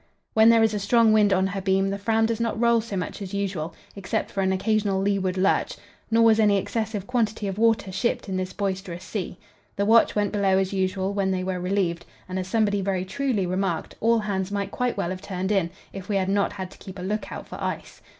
"When there is a strong wind on her beam, the Fram does not roll so much as usual, except for an occasional leeward lurch; nor was any excessive quantity of water shipped in this boisterous sea. The watch went below as usual when they were relieved, and, as somebody very truly remarked, all hands might quite well have turned in, if we had not had to keep a lookout for ice.